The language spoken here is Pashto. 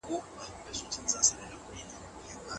ايجاد سوي ستونزي دي سره وڅېړي او حللاري دي وسنجوي.